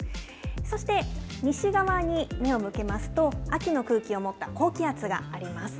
そして、西側に目を向けますと、秋の空気を持った高気圧があります。